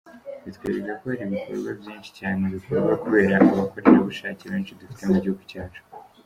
Bitwereka ko hari ibikorwa byinshi cyane bikorwa kubera abakorerabushake benshi dufite mu gihugu cyacu.